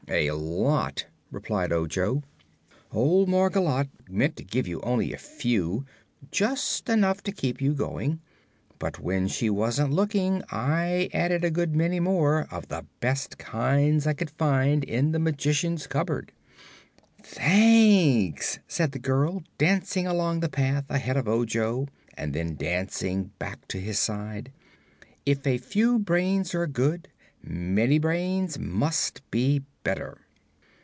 "A lot," replied Ojo. "Old Margolotte meant to give you only a few just enough to keep you going but when she wasn't looking I added a good many more, of the best kinds I could find in the Magician's cupboard." "Thanks," said the girl, dancing along the path ahead of Ojo and then dancing back to his side. "If a few brains are good, many brains must be better."